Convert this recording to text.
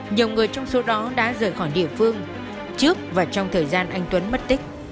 nhiều người trong số đó đã rời khỏi địa phương trước và trong thời gian anh tuấn mất tích